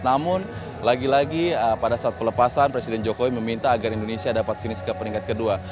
namun lagi lagi pada saat pelepasan presiden jokowi meminta agar indonesia dapat finish ke peringkat kedua